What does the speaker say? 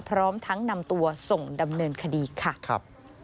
พร้อมทั้งนำตัวส่งดำเนินคดีค่ะครับ